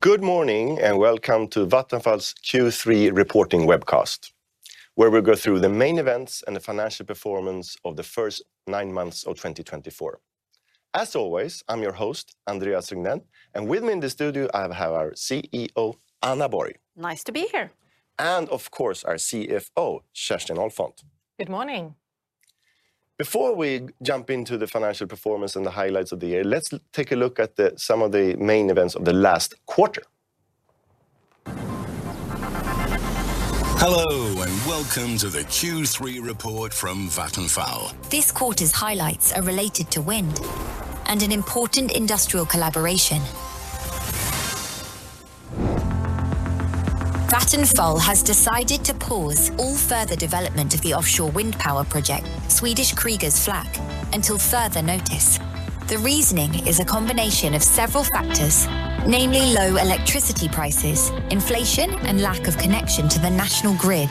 Good morning and welcome to Vattenfall's Q3 Reporting Webcast, where we go through the main events and the financial performance of the first nine months of 2024. As always, I'm your host, Andreas Regnell, and with me in the studio, I have our CEO, Anna Borg. Nice to be here. Of course, our CFO, Kerstin Ahlfont. Good morning. Before we jump into the financial performance and the highlights of the year, let's take a look at some of the main events of the last quarter. Hello and welcome to the Q3 Report from Vattenfall. This quarter's highlights are related to wind and an important industrial collaboration. Vattenfall has decided to pause all further development of the offshore wind power project, Swedish Kriegers Flak, until further notice. The reasoning is a combination of several factors, namely low electricity prices, inflation, and lack of connection to the national grid.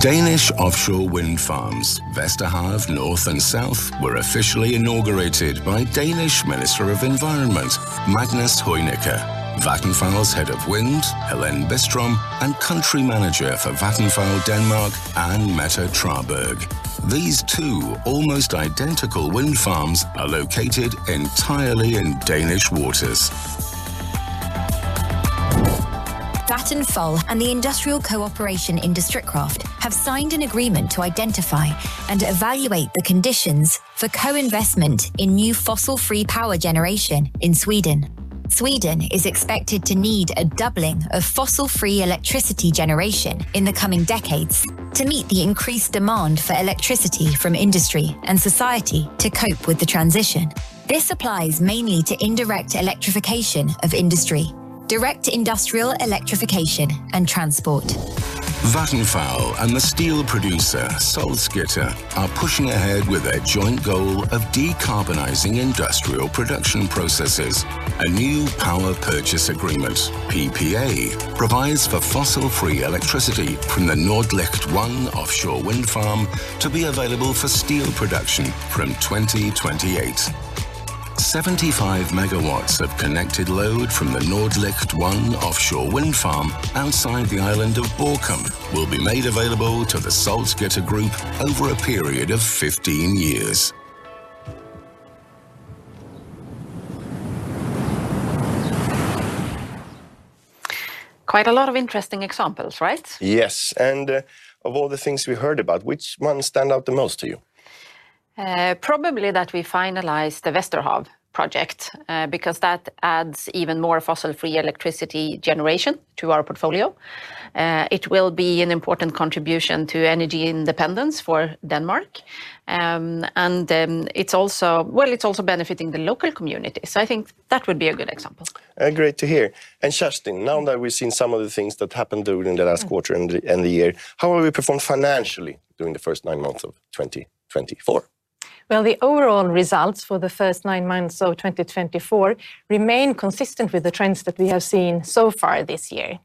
Danish offshore wind farms, Vesterhav Nord and Vesterhav Syd, were officially inaugurated by Danish Minister of Environment, Magnus Heunicke, Vattenfall's head of wind, Helene Biström, and country manager for Vattenfall Denmark, Anne Mette Traberg. These two almost identical wind farms are located entirely in Danish waters. Vattenfall and the industrial cooperation Industrikraft have signed an agreement to identify and evaluate the conditions for co-investment in new fossil-free power generation in Sweden. Sweden is expected to need a doubling of fossil-free electricity generation in the coming decades to meet the increased demand for electricity from industry and society to cope with the transition. This applies mainly to indirect electrification of industry, direct industrial electrification, and transport. Vattenfall and the steel producer, Salzgitter, are pushing ahead with their joint goal of decarbonizing industrial production processes. A new power purchase agreement, PPA, provides for fossil-free electricity from the Nordlicht 1 offshore wind farm to be available for steel production from 2028. 75 megawatts of connected load from the Nordlicht 1 offshore wind farm outside the island of Borkum will be made available to the Salzgitter Group over a period of 15 years. Quite a lot of interesting examples, right? Yes. And of all the things we heard about, which ones stand out the most to you? Probably that we finalize the Vesterhav project because that adds even more fossil-free electricity generation to our portfolio. It will be an important contribution to energy independence for Denmark. And it's also, well, it's also benefiting the local community. So I think that would be a good example. Great to hear. And Kerstin, now that we've seen some of the things that happened during the last quarter and the year, how will we perform financially during the first nine months of 2024? The overall results for the first nine months of 2024 remain consistent with the trends that we have seen so far this year.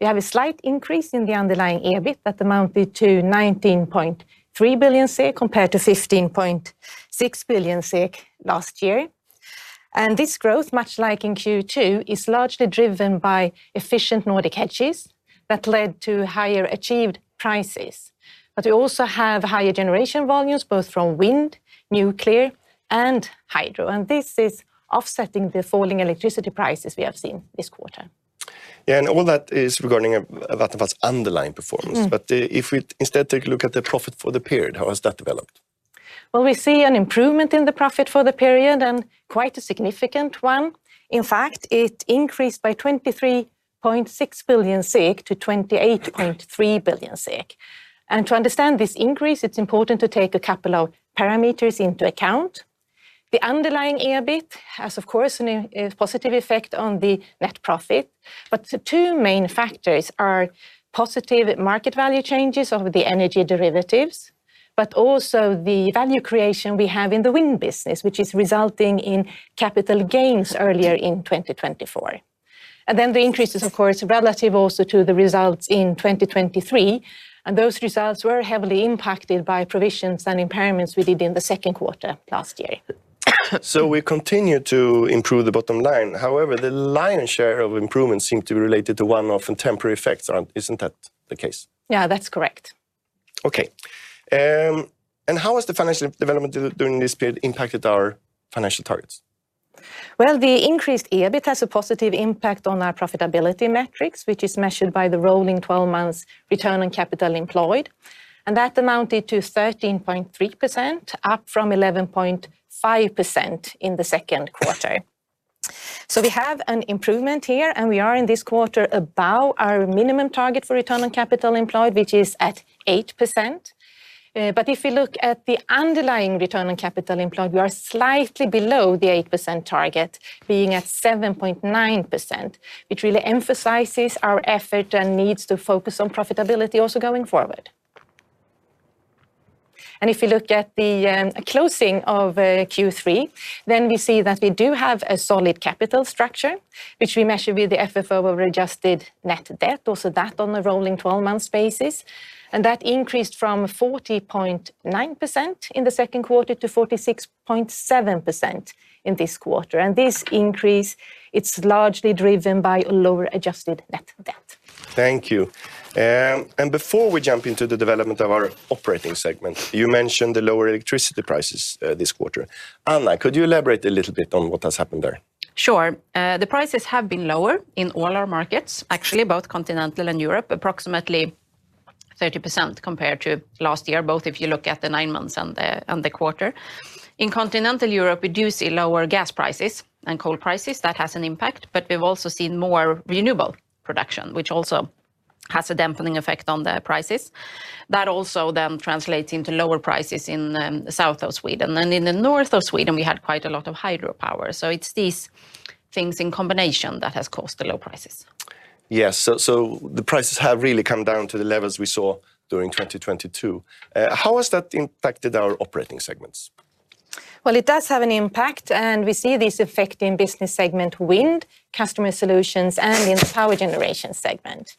We have a slight increase in the underlying EBIT that amounted to 19.3 billion SEK compared to 15.6 billion SEK last year. This growth, much like in Q2, is largely driven by efficient Nordic hedges that led to higher achieved prices. We also have higher generation volumes, both from wind, nuclear, and hydro. This is offsetting the falling electricity prices we have seen this quarter. Yeah, and all that is regarding Vattenfall's underlying performance. But if we instead take a look at the profit for the period, how has that developed? We see an improvement in the profit for the period and quite a significant one. In fact, it increased by 23.6 billion SEK-28.3 billion SEK. To understand this increase, it's important to take a couple of parameters into account. The underlying EBIT has, of course, a positive effect on the net profit. Two main factors are positive market value changes of the energy derivatives, but also the value creation we have in the wind business, which is resulting in capital gains earlier in 2024. The increase is, of course, relative also to the results in 2023. Those results were heavily impacted by provisions and impairments we did in the second quarter last year. So we continue to improve the bottom line. However, the lion's share of improvements seem to be related to one-off temporary effects. Isn't that the case? Yeah, that's correct. Okay. And how has the financial development during this period impacted our financial targets? The increased EBIT has a positive impact on our profitability metrics, which is measured by the rolling 12 months return on capital employed. That amounted to 13.3%, up from 11.5% in the second quarter. We have an improvement here, and we are in this quarter above our minimum target for return on capital employed, which is at 8%. If we look at the underlying return on capital employed, we are slightly below the 8% target, being at 7.9%, which really emphasizes our effort and needs to focus on profitability also going forward. If we look at the closing of Q3, then we see that we do have a solid capital structure, which we measure with the FFO of adjusted net debt, also that on a rolling 12-month basis. That increased from 40.9% in the second quarter to 46.7% in this quarter. This increase, it's largely driven by a lower adjusted net debt. Thank you. And before we jump into the development of our operating segment, you mentioned the lower electricity prices this quarter. Anna, could you elaborate a little bit on what has happened there? Sure. The prices have been lower in all our markets, actually both Continental and Europe, approximately 30% compared to last year, both if you look at the nine months and the quarter. In Continental Europe, we do see lower gas prices and coal prices. That has an impact. But we've also seen more renewable production, which also has a dampening effect on the prices. That also then translates into lower prices in the south of Sweden, and in the north of Sweden, we had quite a lot of hydropower, so it's these things in combination that have caused the low prices. Yes. So the prices have really come down to the levels we saw during 2022. How has that impacted our operating segments? It does have an impact, and we see this effect in business segment wind, customer solutions, and in the power generation segment.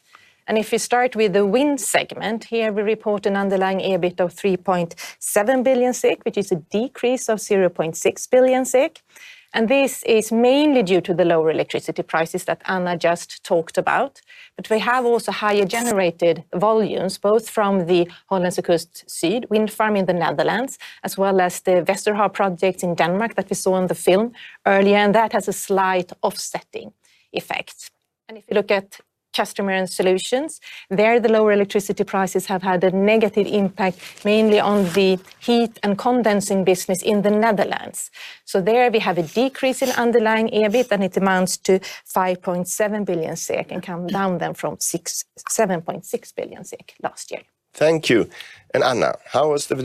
And if you start with the wind segment, here we report an underlying EBIT of 3.7 billion SEK, which is a decrease of 0.6 billion SEK. And this is mainly due to the lower electricity prices that Anna just talked about. But we have also higher generated volumes, both from the Hollandse Kust Zuid wind farm in the Netherlands, as well as the Vesterhav project in Denmark that we saw in the film earlier. And that has a slight offsetting effect. And if you look at customer and solutions, there, the lower electricity prices have had a negative impact, mainly on the heat and condensing business in the Netherlands. There we have a decrease in underlying EBIT, and it amounts to 5.7 billion SEK and come down then from 7.6 billion SEK last year. Thank you. Anna, how was the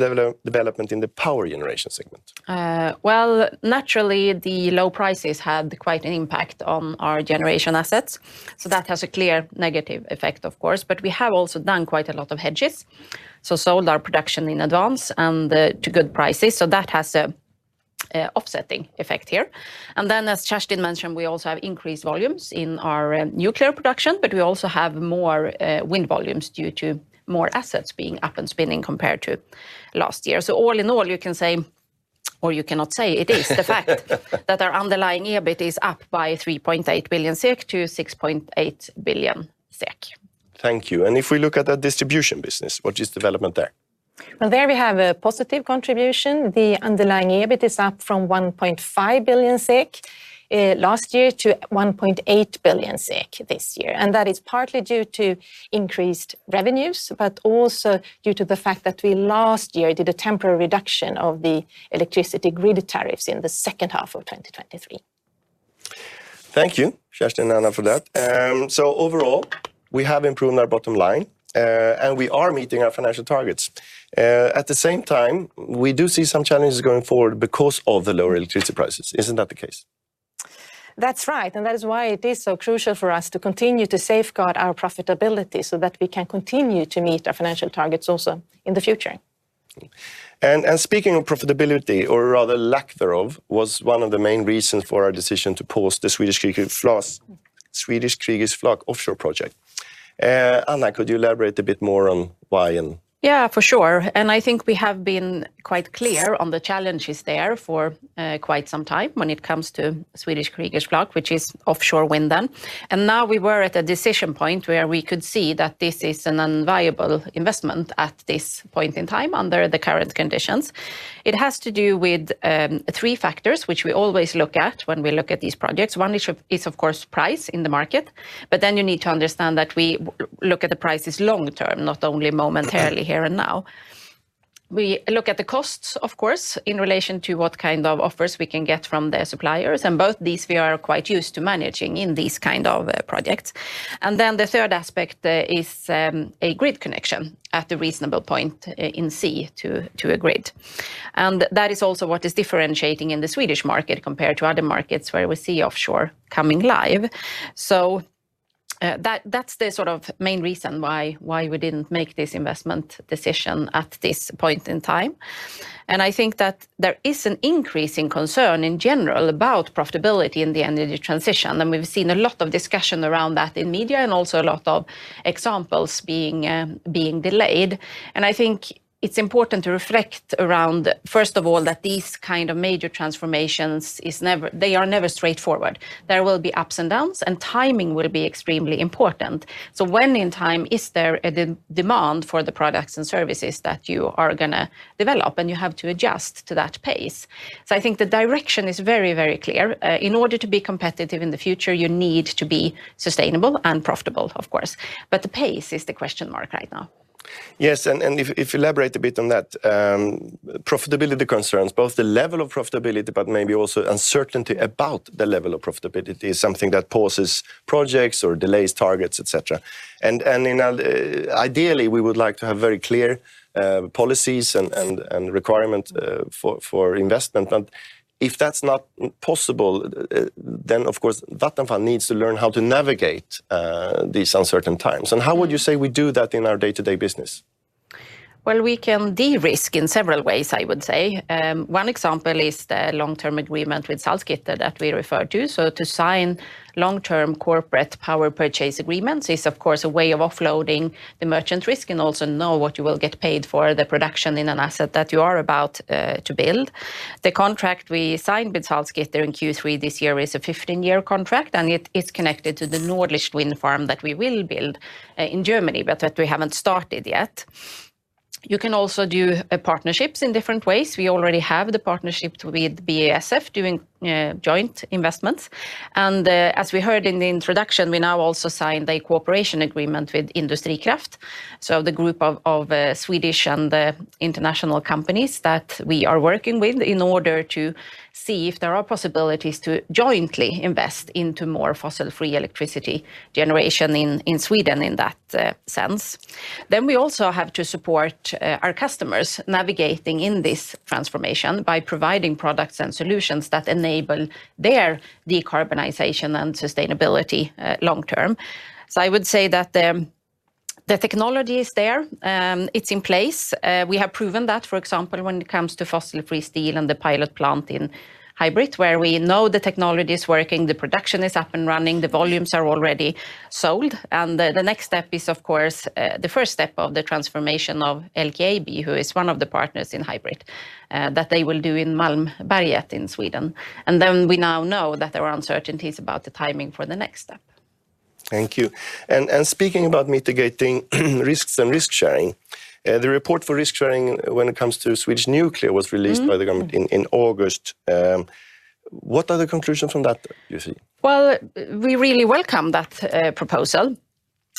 development in the power generation segment? Naturally, the low prices had quite an impact on our generation assets. So that has a clear negative effect, of course. But we have also done quite a lot of hedges. So sold our production in advance and to good prices. So that has an offsetting effect here. And then, as Kerstin mentioned, we also have increased volumes in our nuclear production, but we also have more wind volumes due to more assets being up and spinning compared to last year. So all in all, you can say, or you cannot say, it is the fact that our underlying EBIT is up by 3.8 billion-6.8 billion SEK. Thank you. And if we look at that distribution business, what is development there? There we have a positive contribution. The underlying EBIT is up from 1.5 billion SEK last year-SEK 1.8 billion this year, and that is partly due to increased revenues, but also due to the fact that we last year did a temporary reduction of the electricity grid tariffs in the second half of 2023. Thank you, Kerstin and Anna, for that. So overall, we have improved our bottom line, and we are meeting our financial targets. At the same time, we do see some challenges going forward because of the lower electricity prices. Isn't that the case? That's right. And that is why it is so crucial for us to continue to safeguard our profitability so that we can continue to meet our financial targets also in the future. Speaking of profitability, or rather lack thereof, was one of the main reasons for our decision to pause the Swedish Kriegers Flak offshore project. Anna, could you elaborate a bit more on why? Yeah, for sure. And I think we have been quite clear on the challenges there for quite some time when it comes to Swedish Kriegers Flak, which is offshore wind then. And now we were at a decision point where we could see that this is an unviable investment at this point in time under the current conditions. It has to do with three factors, which we always look at when we look at these projects. One is, of course, price in the market. But then you need to understand that we look at the prices long term, not only momentarily here and now. We look at the costs, of course, in relation to what kind of offers we can get from the suppliers. And both these we are quite used to managing in these kind of projects. And then the third aspect is a grid connection at a reasonable point in the sea to a grid. And that is also what is differentiating in the Swedish market compared to other markets where we see offshore coming live. So that's the sort of main reason why we didn't make this investment decision at this point in time. And I think that there is an increasing concern in general about profitability in the energy transition. And we've seen a lot of discussion around that in media and also a lot of examples being delayed. And I think it's important to reflect around, first of all, that these kind of major transformations, they are never straightforward. There will be ups and downs, and timing will be extremely important. When in time is there a demand for the products and services that you are going to develop, and you have to adjust to that pace? I think the direction is very, very clear. In order to be competitive in the future, you need to be sustainable and profitable, of course. The pace is the question mark right now. Yes. And if you elaborate a bit on that, profitability concerns, both the level of profitability, but maybe also uncertainty about the level of profitability is something that pauses projects or delays targets, etc. And ideally, we would like to have very clear policies and requirements for investment. But if that's not possible, then of course, Vattenfall needs to learn how to navigate these uncertain times. And how would you say we do that in our day-to-day business? We can de-risk in several ways, I would say. One example is the long-term agreement with Salzgitter that we refer to. So to sign long-term corporate power purchase agreements is, of course, a way of offloading the merchant risk and also know what you will get paid for the production in an asset that you are about to build. The contract we signed with Salzgitter in Q3 this year is a 15-year contract, and it's connected to the Nordlicht wind farm that we will build in Germany, but that we haven't started yet. You can also do partnerships in different ways. We already have the partnership with BASF doing joint investments. And as we heard in the introduction, we now also signed a cooperation agreement with Industrikraft, so the group of Swedish and international companies that we are working with in order to see if there are possibilities to jointly invest into more fossil-free electricity generation in Sweden in that sense. Then we also have to support our customers navigating in this transformation by providing products and solutions that enable their decarbonization and sustainability long term. So I would say that the technology is there. It's in place. We have proven that, for example, when it comes to fossil-free steel and the pilot plant in HYBRIT, where we know the technology is working, the production is up and running, the volumes are already sold. And the next step is, of course, the first step of the transformation of LKAB, who is one of the partners in HYBRIT, that they will do in Malmberget in Sweden. And then we now know that there are uncertainties about the timing for the next step. Thank you. And speaking about mitigating risks and risk sharing, the report for risk sharing when it comes to Swedish nuclear was released by the government in August. What are the conclusions from that, do you see? We really welcome that proposal.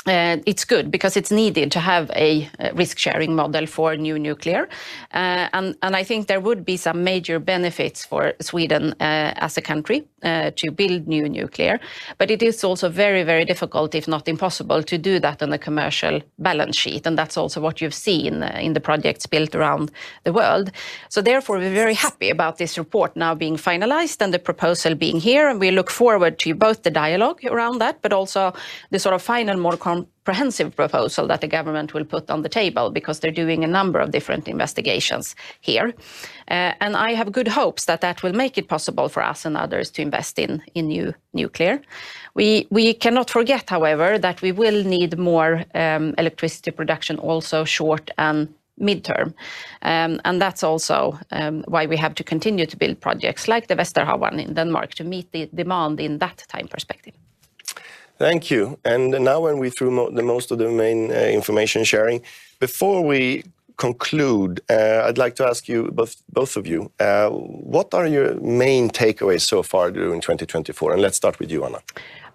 It's good because it's needed to have a risk-sharing model for new nuclear. And I think there would be some major benefits for Sweden as a country to build new nuclear. But it is also very, very difficult, if not impossible, to do that on a commercial balance sheet. And that's also what you've seen in the projects built around the world. So therefore, we're very happy about this report now being finalized and the proposal being here. And we look forward to both the dialogue around that, but also the sort of final, more comprehensive proposal that the government will put on the table because they're doing a number of different investigations here. And I have good hopes that that will make it possible for us and others to invest in new nuclear. We cannot forget, however, that we will need more electricity production also short and midterm, and that's also why we have to continue to build projects like the Vesterhav one in Denmark to meet the demand in that time perspective. Thank you. And now when we're through most of the main information sharing, before we conclude, I'd like to ask you both of you, what are your main takeaways so far during 2024? And let's start with you, Anna.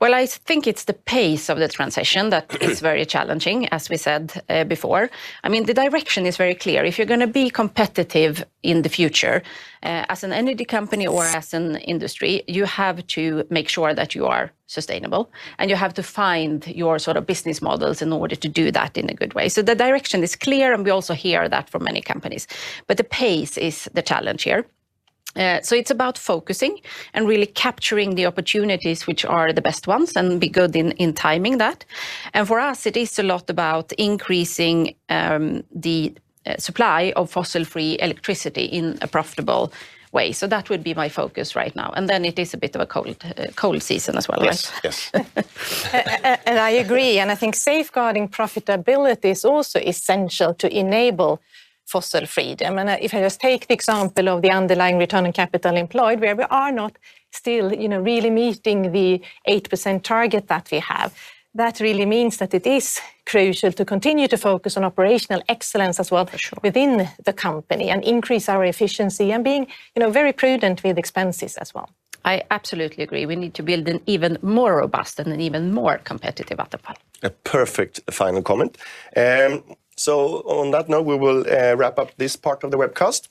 I think it's the pace of the transition that is very challenging, as we said before. I mean, the direction is very clear. If you're going to be competitive in the future, as an energy company or as an industry, you have to make sure that you are sustainable, and you have to find your sort of business models in order to do that in a good way, so the direction is clear, and we also hear that from many companies, but the pace is the challenge here, so it's about focusing and really capturing the opportunities, which are the best ones, and be good in timing that, and for us, it is a lot about increasing the supply of fossil-free electricity in a profitable way, so that would be my focus right now, and then it is a bit of a cold season as well, right? Yes. And I agree. And I think safeguarding profitability is also essential to enable fossil freedom. And if I just take the example of the underlying return on capital employed, where we are not still really meeting the 8% target that we have, that really means that it is crucial to continue to focus on operational excellence as well within the company and increase our efficiency and being very prudent with expenses as well. I absolutely agree. We need to build an even more robust and an even more competitive Vattenfall. A perfect final comment. So on that note, we will wrap up this part of the webcast.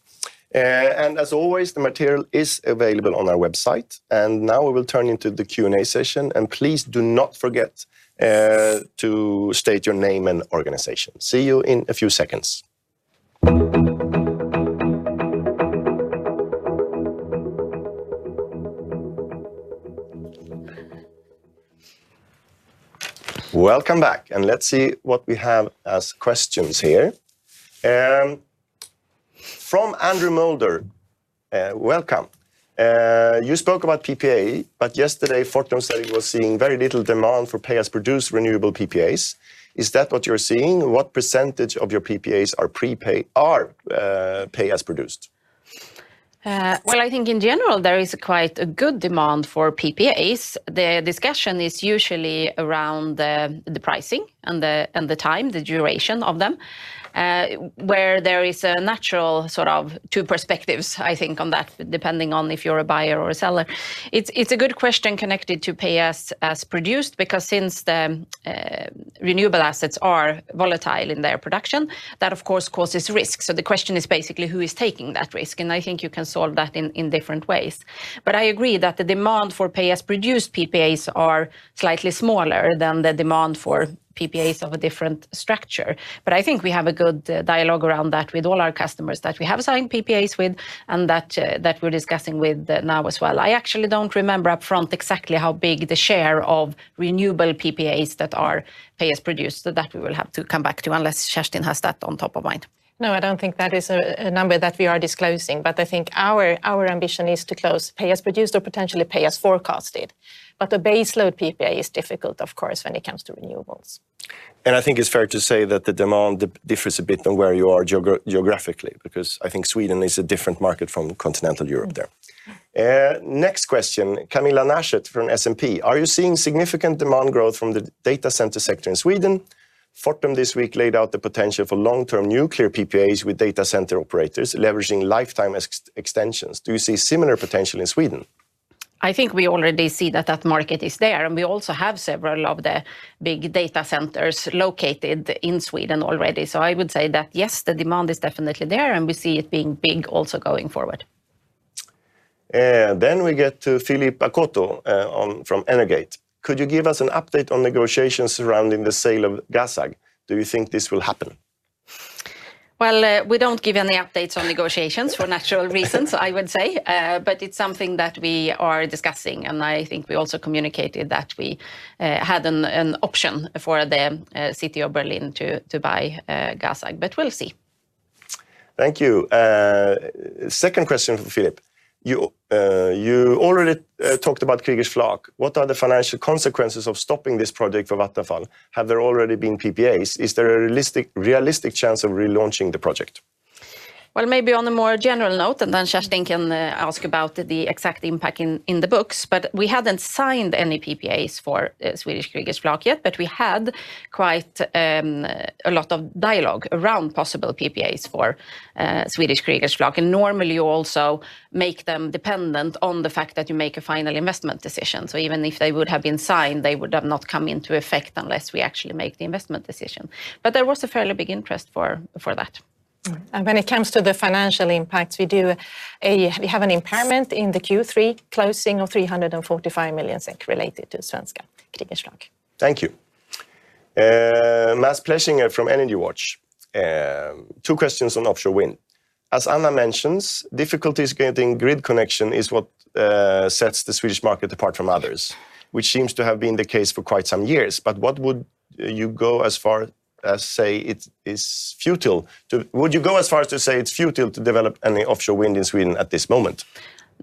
And as always, the material is available on our website. And now we will turn into the Q&A session. And please do not forget to state your name and organization. See you in a few seconds. Welcome back. And let's see what we have as questions here. From Andrew Moulder, welcome. You spoke about PPA, but yesterday Fortum said it was seeing very little demand for pay-as-produced renewable PPAs. Is that what you're seeing? What percentage of your PPAs are pay-as-produced? I think in general, there is quite a good demand for PPAs. The discussion is usually around the pricing and the time, the duration of them, where there is a natural sort of two perspectives, I think, on that, depending on if you're a buyer or a seller. It's a good question connected to pay-as-produced because since the renewable assets are volatile in their production, that of course causes risk. So the question is basically who is taking that risk. And I think you can solve that in different ways. But I agree that the demand for pay-as-produced PPAs are slightly smaller than the demand for PPAs of a different structure. But I think we have a good dialogue around that with all our customers that we have signed PPAs with and that we're discussing with now as well. I actually don't remember upfront exactly how big the share of renewable PPAs that are pay-as-produced that we will have to come back to unless Kerstin has that on top of mind. No, I don't think that is a number that we are disclosing, but I think our ambition is to close pay-as-produced or potentially pay-as-forecasted, but a baseload PPA is difficult, of course, when it comes to renewables. I think it's fair to say that the demand differs a bit on where you are geographically because I think Sweden is a different market from continental Europe there. Next question, Camilla Naschert from S&P. Are you seeing significant demand growth from the data center sector in Sweden? Fortum this week laid out the potential for long-term nuclear PPAs with data center operators leveraging lifetime extensions. Do you see similar potential in Sweden? I think we already see that that market is there, and we also have several of the big data centers located in Sweden already, so I would say that yes, the demand is definitely there, and we see it being big also going forward. Then we get to Philipp Akoto from Energate. Could you give us an update on negotiations surrounding the sale of GASAG? Do you think this will happen? We don't give any updates on negotiations for natural reasons, I would say. It's something that we are discussing. I think we also communicated that we had an option for the city of Berlin to buy GASAG. We'll see. Thank you. Second question for Philipp. You already talked about Kriegers Flak. What are the financial consequences of stopping this project for Vattenfall? Have there already been PPAs? Is there a realistic chance of relaunching the project? Maybe on a more general note, and then Kerstin can ask about the exact impact in the books. But we hadn't signed any PPAs for Swedish Kriegers Flak yet, but we had quite a lot of dialogue around possible PPAs for Swedish Kriegers Flak. And normally you also make them dependent on the fact that you make a final investment decision. So even if they would have been signed, they would have not come into effect unless we actually make the investment decision. But there was a fairly big interest for that. And when it comes to the financial impacts, we do have an impairment in the Q3 closing of 345 million SEK related to Swedish Kriegers Flak. Thank you. Mads Plessing from EnergyWatch. Two questions on offshore wind. As Anna mentioned, difficulties getting grid connection is what sets the Swedish market apart from others, which seems to have been the case for quite some years. But what would you go as far as say it is futile? Would you go as far as to say it's futile to develop any offshore wind in Sweden at this moment?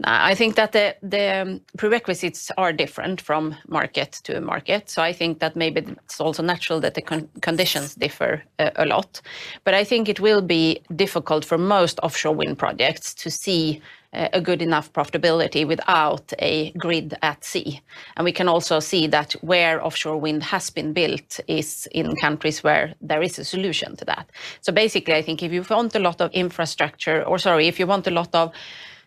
I think that the prerequisites are different from market to market. So I think that maybe it's also natural that the conditions differ a lot. But I think it will be difficult for most offshore wind projects to see a good enough profitability without a grid at sea. And we can also see that where offshore wind has been built is in countries where there is a solution to that. So basically, I think if you want a lot of infrastructure, or sorry, if you want a lot of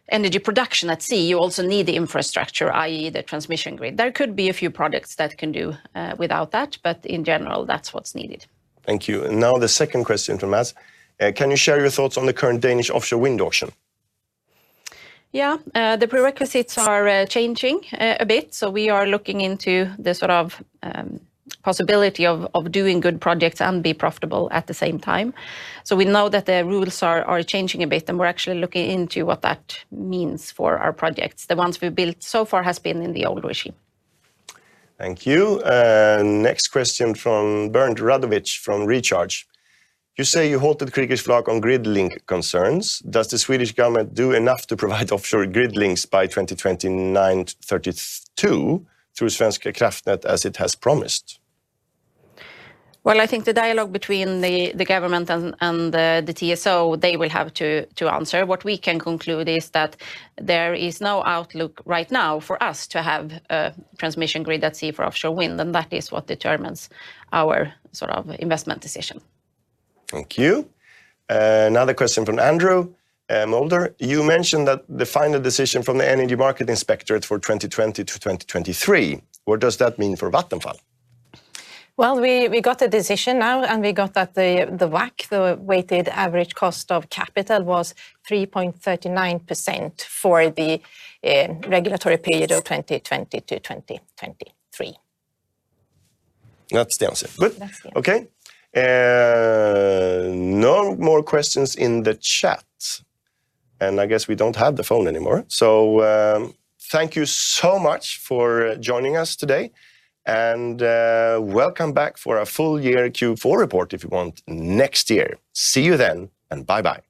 energy production at sea, you also need the infrastructure, i.e., the transmission grid. There could be a few projects that can do without that, but in general, that's what's needed. Thank you. And now the second question from Mads. Can you share your thoughts on the current Danish offshore wind auction? Yeah. The prerequisites are changing a bit. So we are looking into the sort of possibility of doing good projects and being profitable at the same time. So we know that the rules are changing a bit, and we're actually looking into what that means for our projects. The ones we've built so far have been in the old regime. Thank you. Next question from Bernd Radowitz from Recharge. You say you halted Kriegers Flak on grid link concerns. Does the Swedish government do enough to provide offshore grid links by 2029-2032 through Svenska Kraftnät as it has promised? I think the dialogue between the government and the TSO, they will have to answer. What we can conclude is that there is no outlook right now for us to have a transmission grid at sea for offshore wind, and that is what determines our sort of investment decision. Thank you. Another question from Andrew Moulder. You mentioned that the final decision from the Energy Market Inspectorate for 2020-2023. What does that mean for Vattenfall? We got a decision now, and we got that the WACC, the weighted average cost of capital, was 3.39% for the regulatory period of 2020-2023. That's the answer. Good. Okay. No more questions in the chat. And I guess we don't have the phone anymore. So thank you so much for joining us today. And welcome back for our full year Q4 report if you want next year. See you then. And bye-bye.